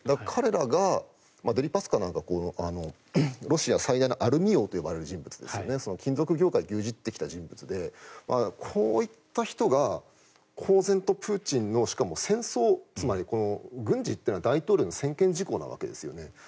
彼らがデリパスカなんかロシア最大のアルミ王といわれる人物金属業界を牛耳ってきた人物でこういった人が公然とプーチンのしかも戦争つまり、軍事というのは大統領の専権事項のわけですよね。